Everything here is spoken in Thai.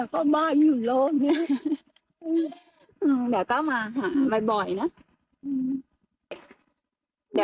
ขอบคุณครับ